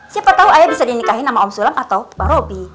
siapa tau ayah bisa dinikahi sama om sulam atau pak robi